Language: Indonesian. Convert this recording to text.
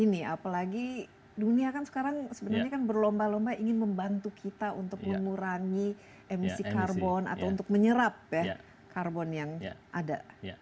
ini apalagi dunia kan sekarang sebenarnya kan berlomba lomba ingin membantu kita untuk mengurangi emisi karbon atau untuk menyerap ya karbon yang ada